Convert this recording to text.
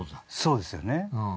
そうですよね。